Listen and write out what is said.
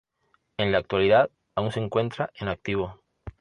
En la actualidad aún se encuentra en activo.